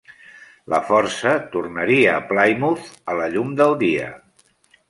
La força tornaria a Plymouth a la llum del dia.